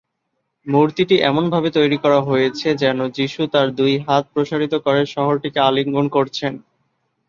মূর্তিটি এমনভাবে তৈরি করা হয়েছে যেন যিশু তার দুই হাত প্রসারিত করে শহরটিকে আলিঙ্গন করছেন।